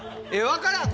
分からん。